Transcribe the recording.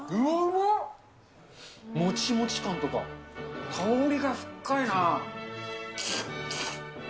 もちもち感とか、香りが深いな。